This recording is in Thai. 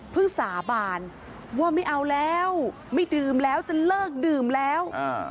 สาบานว่าไม่เอาแล้วไม่ดื่มแล้วจะเลิกดื่มแล้ว